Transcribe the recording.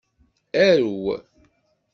Arew.